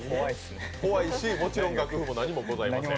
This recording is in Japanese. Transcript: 怖いし、もちろん楽譜も何もございません。